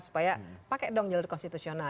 supaya pakai dong jalur konstitusional